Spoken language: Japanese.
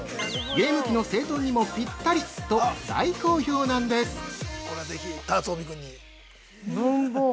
「ゲーム機の整頓にもピッタリ！」と、大好評なんです。